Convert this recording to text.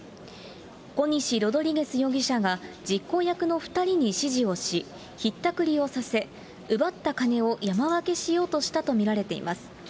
コニシ・ロドリゲス容疑者が実行役の２人に指示をし、ひったくりをさせ、奪った金を山分けしようとしたと見られています。